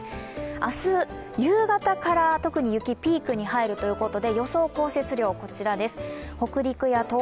明日、夕方から特に雪、ピークに入るということで予想降雪量こちらです。